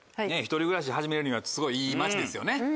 １人暮らし始めるにはすごいいい街ですよね。